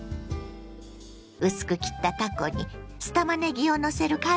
薄く切ったたこに酢たまねぎをのせるカルパッチョ。